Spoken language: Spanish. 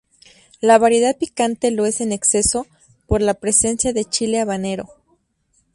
La variedad picante lo es en exceso, por la presencia de chile habanero.